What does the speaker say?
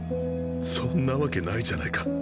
そんなわけないじゃないか。